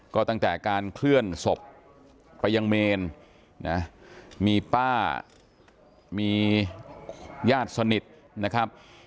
ก็ตั้งแต่การเคลื่อนศพไปยังเมนนะมีป้ามีญาติสนิทนะครับ